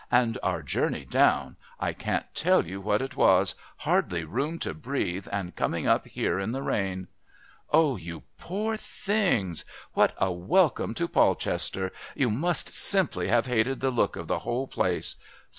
And our journey down! I can't tell you what it was, hardly room to breathe and coming up here in the rain!" "Oh, you poor things! What a welcome to Polchester! You must simply have hated the look of the whole place.